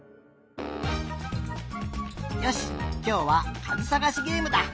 よしきょうはかずさがしゲームだ！